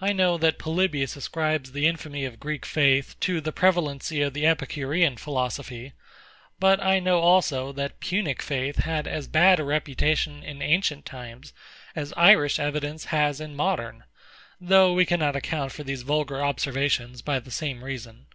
I know, that POLYBIUS [Lib. vi. cap. 54.] ascribes the infamy of GREEK faith to the prevalency of the EPICUREAN philosophy: but I know also, that Punic faith had as bad a reputation in ancient times as Irish evidence has in modern; though we cannot account for these vulgar observations by the same reason.